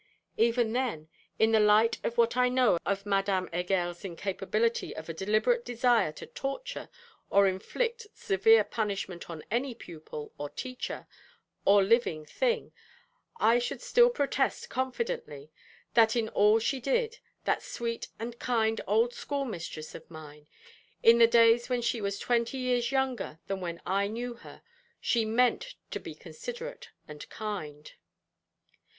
Even then, in the light of what I know of Madame Heger's incapability of a deliberate desire to torture, or inflict severe punishment on any pupil, or teacher, or living thing, I should still protest confidently that in all she did that sweet and kind old schoolmistress of mine in the days when she was twenty years younger than when I knew her she meant to be considerate and kind.